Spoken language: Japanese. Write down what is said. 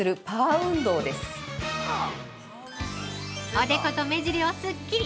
◆おでこと目尻をすっきり。